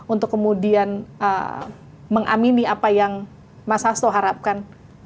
untuk kemudian mengamini apa yang mas hasto harapkan